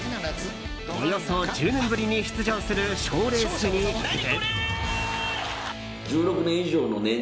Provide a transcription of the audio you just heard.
およそ１０年ぶりに出場する賞レースに向けて。